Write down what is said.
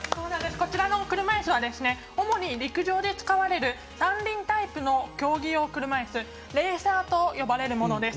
こちらの車いすは主に陸上で使われる三輪タイプの競技用車いすレーサーと呼ばれます。